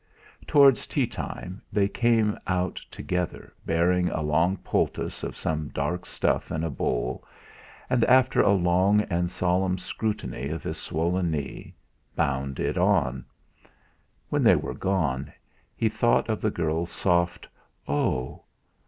Towards tea time they came out together, bearing a long poultice of some dark stuff in a bowl, and after a long and solemn scrutiny of his swollen knee, bound it on. When they were gone, he thought of the girl's soft "Oh!"